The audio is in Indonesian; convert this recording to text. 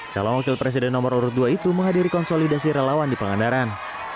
calon wakil presiden nomor urut dua itu menghadiri konsolidasi relawan di pangandaran